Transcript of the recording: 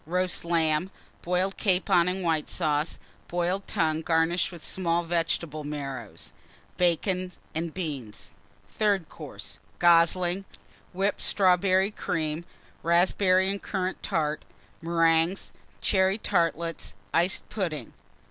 Roast Lamb. Boiled Capon and White Sauce. Boiled Tongue, garnished with small Vegetable Marrows. Bacon and Beans. THIRD COURSE. Goslings. Whipped Strawberry Cream. Raspberry and Currant Tart. Meringues. Cherry Tartlets. Iced Pudding.